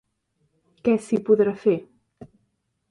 Què s'hi podrà fer?